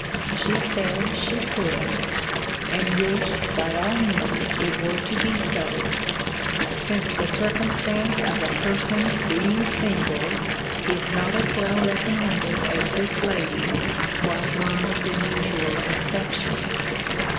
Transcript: She said, she could; and wished, by all means, it were to be so: since the circumstance of a person's being single, it not as well recommended as this lady, was one of the usual exceptions.